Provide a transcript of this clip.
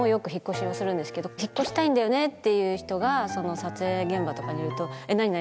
引っ越したいんだよねっていう人が撮影現場とかにいると「何何？